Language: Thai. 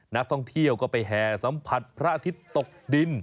นักท่องเที่ยวก็ไปแห่สัมผัสพระอาทิตย์ตกดิน